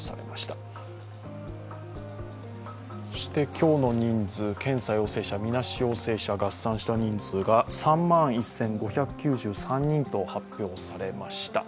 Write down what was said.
今日の人数、検査陽性者みなし陽性者合算した人数が３万１５９３人と発表されました。